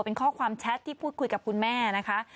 เป็นข้อความแชทที่พูดคุยกับคุณแม่นะคะ